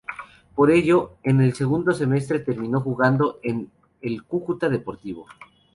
Por ello, en el segundo semestre terminó jugando en el Cúcuta Deportivo.